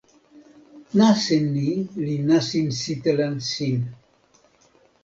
nasin ni li nasin sitelen sin.